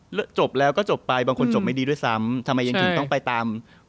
หรือจบแล้วก็จบไปบางคนจบไม่ดีด้วยซ้ำ